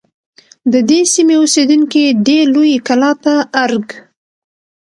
د دې سیمې اوسیدونکي دی لویې کلا ته ارگ